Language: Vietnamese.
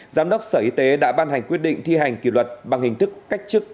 giám đốc sở y tế đã ban hành quyết định thi hành kỷ luật bằng hình thức cách chức